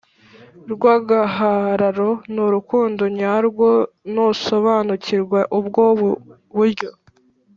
rw agahararo n urukundo nyarwo Nusobanukirwa ubwo buryo